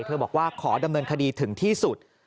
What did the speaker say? บอกว่าขอดำเนินคดีถึงที่สุด